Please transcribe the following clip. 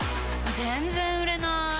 全然売れなーい。